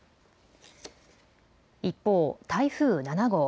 一方、台風７号。